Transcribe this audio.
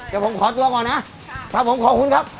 ขอขอตัวก่อนนะขอบคุณครับ